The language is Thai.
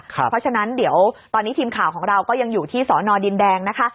เพราะฉะนั้นเดี๋ยวตอนนี้ทีมข่าวของเราก็ยังอยู่ที่สอนอดินแดงนะคะ